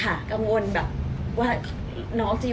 เดี๋ยวก็คิดว่านมก็สำคัญนะเดี๋ยว